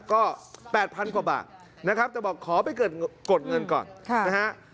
ก็แปดพันเกาะบาทนะครับจะบอกขอไปเกิดนกดเงินก่อนนะฮะ